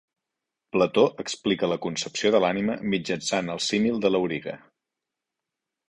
Plató explica la concepció de l'ànima mitjançant el símil de l'auriga.